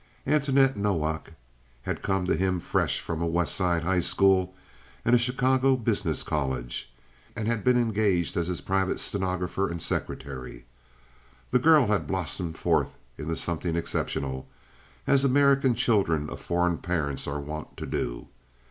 Antoinette Nowak had come to him fresh from a West Side high school and a Chicago business college, and had been engaged as his private stenographer and secretary. This girl had blossomed forth into something exceptional, as American children of foreign parents are wont to do.